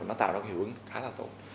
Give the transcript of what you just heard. nó tạo ra một hiệu ứng khá là tốt